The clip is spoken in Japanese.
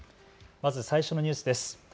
まず最初のニュースです。